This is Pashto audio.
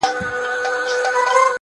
• دغزل جامونه وېسي ..